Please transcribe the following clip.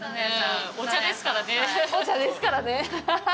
お茶ですからね。